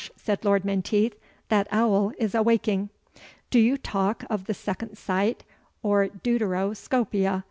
said Lord Menteith, "that owl is awaking." "Do you talk of the second sight, or DEUTERO SCOPIA?"